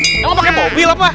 itu emang pakai mobil apa